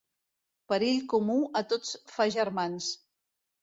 Perill comú a tots fa germans.